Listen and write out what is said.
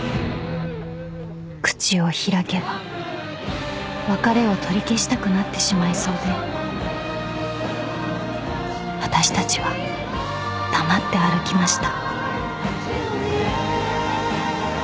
［口を開けば別れを取り消したくなってしまいそうで私たちは黙って歩きました］